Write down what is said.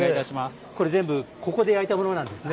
これ全部ここで焼いたものなんですね。